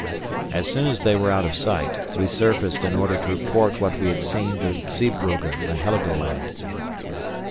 As soon as they were out of sight, we surfaced in order to report what we had seen to Zeebrugge and Heligoland.